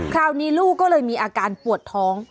คราวนี้ลูกก็เลยมีอาการปวดท้อง